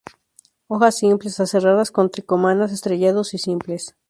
Hojas simples, aserradas, con tricomas estrellados y simples.